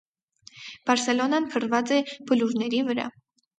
Բարսելոնան փռված է բլուրների վրա։